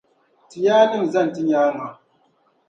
Ti yaanima zani ti nyaaŋa.